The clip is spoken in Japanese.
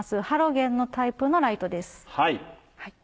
ハロゲンのタイプのライトです。